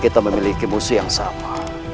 kita memiliki musi yang sama